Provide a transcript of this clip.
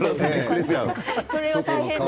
それは大変だ。